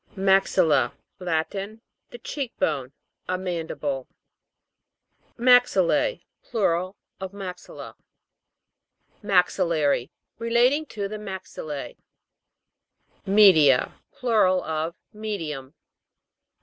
MAX'ILLA. Latin. The cheek bone ; a mandible. . Plural of Maxilla. MAX'ILLARY. Relating to the Max ill. ME'DIA. Plural of Medium.